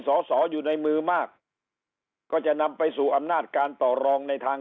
สอสออยู่ในมือมากก็จะนำไปสู่อำนาจการต่อรองในทาง